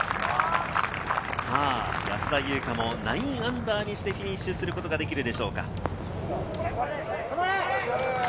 安田祐香も−９にしてフィニッシュすることができるでしょうか？